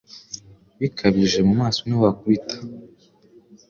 bikabije mu maso niho wakubita